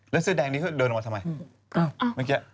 แล้วเสื้อแดงนี้เขาเดินออกมาทำไม